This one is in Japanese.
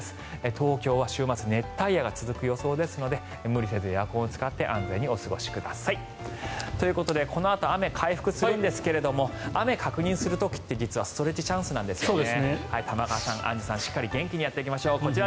東京は週末、熱帯夜が続く予想ですので無理せずエアコンを使って安全にお過ごしください。ということでこのあと雨、回復するんですが雨確認する時って、実はストレッチチャンスなんですね。